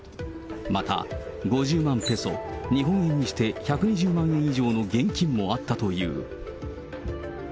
また５０万ペソ、日本円にして１２０万円以上の現金もあったという。